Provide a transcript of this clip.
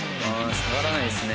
下がらないですね。